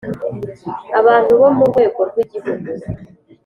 abantu bo ku rwego rw Igihugu